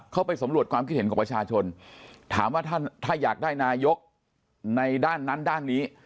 เข้าไปสำรวจความคิดเห็นของประชาชนถามว่าถ้าอยากได้นายกในด้านนั้นด้านนี้